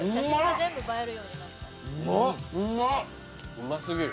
うま過ぎる。